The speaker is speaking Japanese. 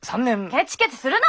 ケチケチするな！